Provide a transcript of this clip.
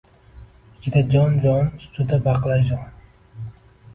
Ichida jon-jon, ustida baqlajon.